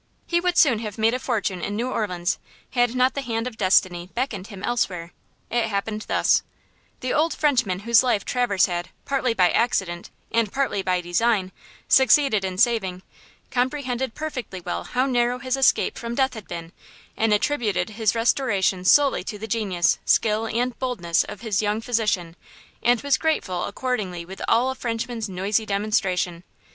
He would soon have made a fortune in New Orleans, had not the hand of destiny beckoned him elsewhere. It happened thus: The old Frenchman whose life Traverse had, partly by accident and partly by design, succeeded in saving, comprehended perfectly well how narrow his escape from death had been, and attributed his restoration solely to the genius, skill and boldness of his young physician, and was grateful accordingly with all a Frenchman's noisy demonstration.